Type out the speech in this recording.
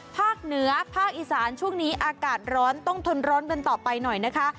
ภาคเหนือภาคอีสานช่วงนี้อากาศร้อนต้องทนร้อนกันต่อไปหน่อยนะคะ